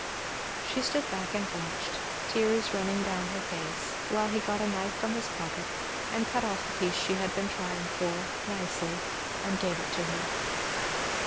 She stood back and watched, tears running down her face, while he got a knife from his pocket and cut off the piece she had been trying for, nicely, and gave it to her.